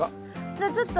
じゃあちょっと。